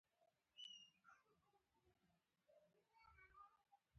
د فوټبال د توپونو په څېر.